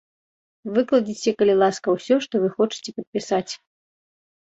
Выкладзіце калі ласка ўсё, што вы хочаце падпісаць.